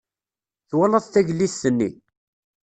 Twalaḍ tagellidt-nni?